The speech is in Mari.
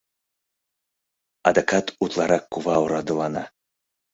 Адакат утларак кува орадылана.